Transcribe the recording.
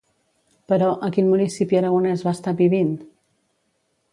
Però, a quin municipi aragonès va estar vivint?